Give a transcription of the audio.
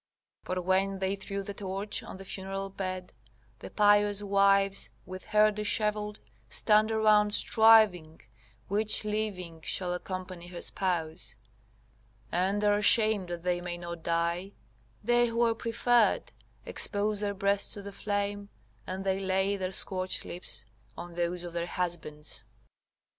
["For when they threw the torch on the funeral bed, the pious wives with hair dishevelled, stand around striving, which, living, shall accompany her spouse; and are ashamed that they may not die; they who are preferred expose their breasts to the flame, and they lay their scorched lips on those of their husbands."